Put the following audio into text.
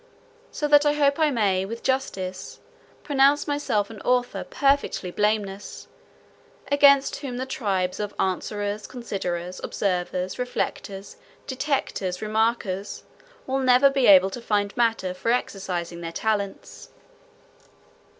So that I hope I may with justice pronounce myself an author perfectly blameless; against whom the tribes of Answerers, Considerers, Observers, Reflectors, Detectors, Remarkers, will never be able to find matter for exercising their talents.